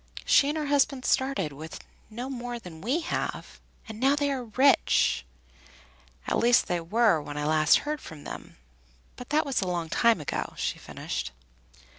She and her husband started with no more than we have, and now they are rich at least they were when I last heard from them; but that was a long time ago," she finished.